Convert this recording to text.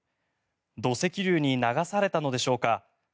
土石流に流されたのでしょうか。